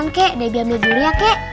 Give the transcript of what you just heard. nabi nabi dulu ya kek